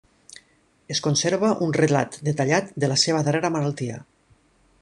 Es conserva un relat detallat de la seva darrera malaltia.